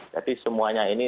jadi semuanya ini